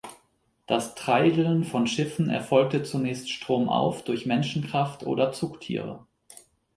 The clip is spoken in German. Das Treideln von Schiffen erfolgte zunächst stromauf durch Menschenkraft oder Zugtiere.